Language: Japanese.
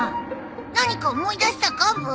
何か思い出したかブー？